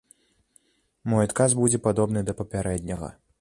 Мой адказ будзе падобны да папярэдняга.